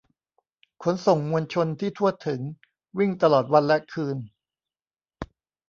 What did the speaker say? ขนส่งมวลชนที่ทั่วถึง วิ่งตลอดวันและคืน